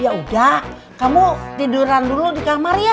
yauda kamu tiduran dulu di kamar ya